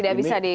tidak bisa di